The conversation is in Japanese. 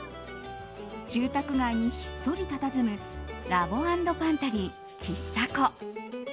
住宅街にひっそりたたずむラボ＆パントリーキッサコ。